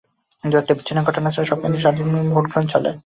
দু একটি বিচ্ছিন্ন ঘটনা ছাড়া সব কেন্দ্রেই শান্তিপূর্ণভাবে ভোট গ্রহণ চলে।